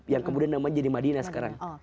yang kemudian namanya di madinah sekarang